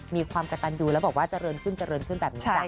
มีความกระตันยูแล้วบอกว่าเจริญขึ้นเจริญขึ้นแบบนี้จ้ะ